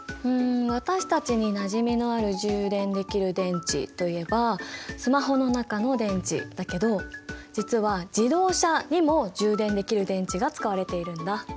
うん私たちになじみのある充電できる電池といえばスマホの中の電池だけど実は自動車にも充電できる電池が使われているんだ。